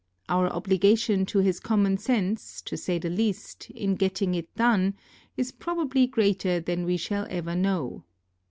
Our obligation to his common sense, to say the least, in getting it done, is probably greater than we shall ever know.